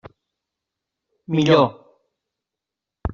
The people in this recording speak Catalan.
Millor.